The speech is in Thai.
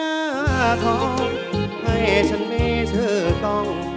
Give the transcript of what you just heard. นานาท้องให้ฉันมีชื่อต้อง